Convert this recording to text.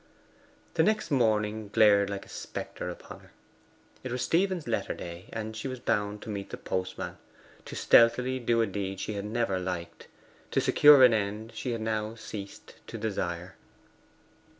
The next morning glared in like a spectre upon her. It was Stephen's letter day, and she was bound to meet the postman to stealthily do a deed she had never liked, to secure an end she now had ceased to desire.